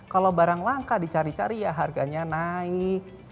kalau barang langka dicari cari ya harganya naik